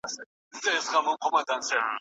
موږ کله ناکله د خپلو کړنو په لامل نه پوهیږو.